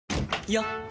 よっ！